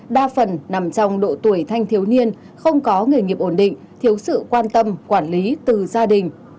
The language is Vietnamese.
đa phần nằm trong độ tuổi thanh thiếu niên không có nghề nghiệp ổn định thiếu sự quan tâm quản lý từ gia đình